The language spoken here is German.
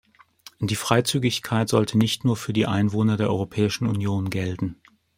Die Freizügigkeit sollte nicht nur für die Einwohner der Europäischen Union gelten.